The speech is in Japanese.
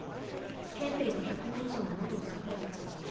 憲兵が１００人以上も喉を裂かれたという。